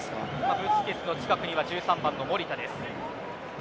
ブスケツの近くには１３番の守田。